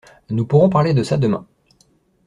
Nous pourrons parler de ça demain.